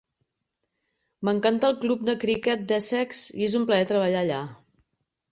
M'encanta el Club de Criquet d'Essex i és un plaer treballar allà.